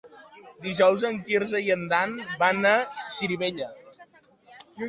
Dijous en Quirze i en Dan van a Xirivella.